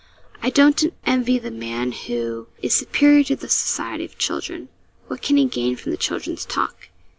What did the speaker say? I don't envy the man who is superior to the society of children. What can he gain from children's talk?